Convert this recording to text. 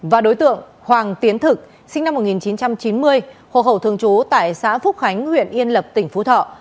và đối tượng hoàng tiến thực sinh năm một nghìn chín trăm chín mươi hồ khẩu thường trú tại xã phúc khánh huyện yên lập tỉnh phú thọ